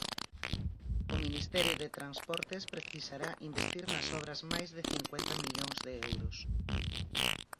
O Ministerio de Transportes precisará investir nas obras máis de cincuenta millóns de euros.